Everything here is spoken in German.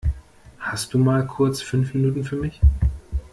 Hast du mal kurz fünf Minuten für mich?